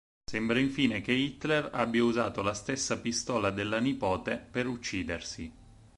Sembra infine che Hitler abbia usato la stessa pistola della nipote per uccidersi.